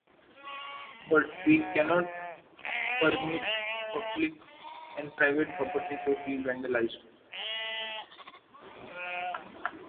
But we cannot permit public and private property to be vandalised.